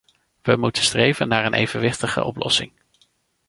We moeten streven naar een evenwichtige oplossing.